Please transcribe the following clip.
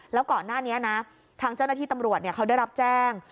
แล้วก่อนหน้านี้นะทางเจ้าหน้าที่ตำรวจเขาได้รับแจ้ง